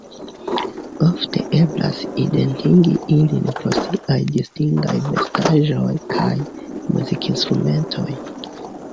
Ofte eblas identigi ilin pro siaj distingaj vestaĵoj kaj muzikinstrumentoj.